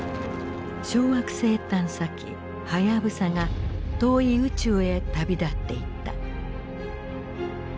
小惑星探査機はやぶさが遠い宇宙へ旅立っていった。